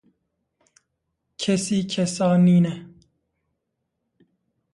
Kesî kesa nîne